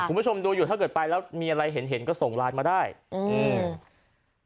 คุณผู้ชมดูอยู่ถ้าเกิดไปแล้วมีอะไรเห็นเห็นก็ส่งไลน์มาได้อืม